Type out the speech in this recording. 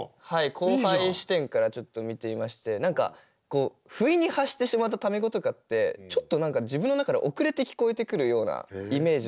後輩視点からちょっと見てみまして何か不意に発してしまったタメ語とかってちょっと何か自分の中で遅れて聞こえてくるようなイメージが。